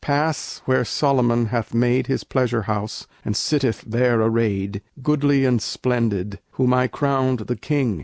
pass where Solomon hath made His pleasure house, and sitteth there arrayed, Goodly and splendid whom I crowned the king.